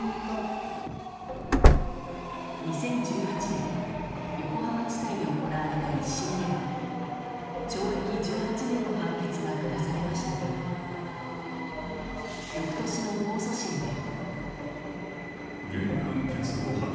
２０１８年横浜地裁で行われた１審では懲役１８年の判決が下されましたが翌年の控訴審で。